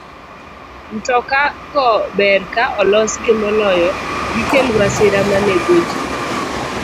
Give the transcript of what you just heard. Mtoka go ber ka olosgi moloyo gikel masira ma nego ji.